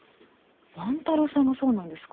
万太郎さんがそうなんですか？